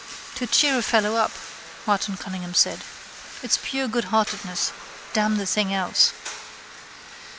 —To cheer a fellow up, Martin Cunningham said. It's pure goodheartedness: damn the thing else.